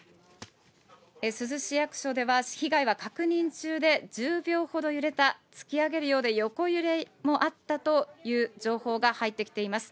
珠洲市役所では、被害は確認中で、１０秒ほど揺れた、突き上げるようで横揺れもあったという情報も入ってきています。